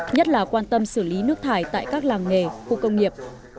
nhất là quan tâm xử lý nước thải tại các làng nghề khu công nghiệp